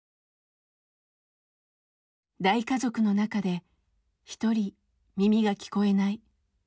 大家族の中で１人耳が聞こえない。